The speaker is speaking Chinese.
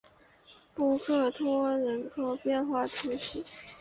布克托人口变化图示